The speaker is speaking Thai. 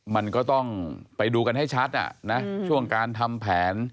มันก็ต้องไปดูกันให้ชัดช่วงการทำแผน